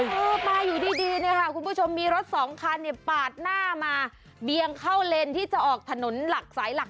เออมาอยู่ดีเนี่ยค่ะคุณผู้ชมมีรถสองคันเนี่ยปาดหน้ามาเบียงเข้าเลนที่จะออกถนนหลักสายหลัก